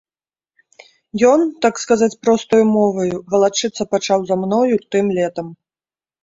Ён, так сказаць, простаю моваю, валачыцца пачаў за мною тым летам.